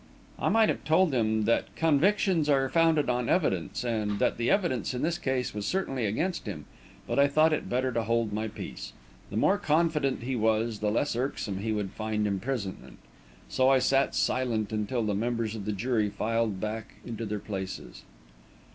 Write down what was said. I might have told him that convictions are founded on evidence, and that the evidence in this case was certainly against him, but I thought it better to hold my peace. The more confident he was, the less irksome he would find imprisonment. So I sat silent until the members of the jury filed back into their places.